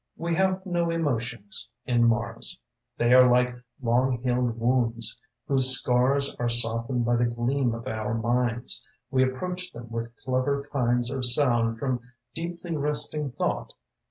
We have no emotions in Mars. They are like long healed wounds Whose scars are softened by the gleam of our minds. We approach them with clearer kinds Of sound from deeply resting thought.